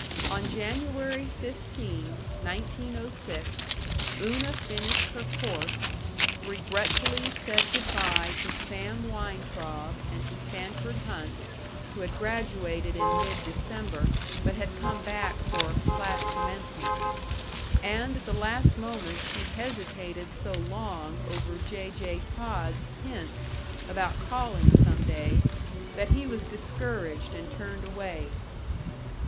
On January 15, 1906, Una finished her course, regretfully said good by to Sam Weintraub, and to Sanford Hunt, who had graduated in mid December, but had come back for "class commencement"; and at the last moment she hesitated so long over J. J. Todd's hints about calling some day, that he was discouraged and turned away.